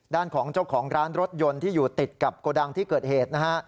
ด้านของเจ้าของร้านรถยนต์ที่อยู่ติดกับโกดังที่เกิดเหตุนะฮะ